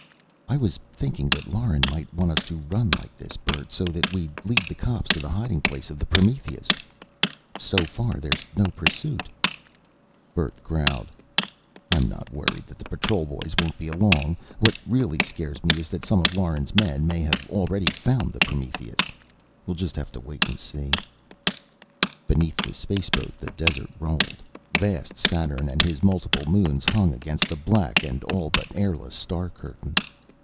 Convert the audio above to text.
"I was thinking that Lauren might want us to run like this, Bert, so that we'd lead the cops to the hiding place of the Prometheus. So far there's no pursuit." Bert growled, "I'm not worried that the Patrol boys won't be along. What really scares me is that some of Lauren's men may already have found the Prometheus. We'll just have to wait and see." Beneath the spaceboat the desert rolled. Vast Saturn and his multiple moons, hung against the black and all but airless star curtain.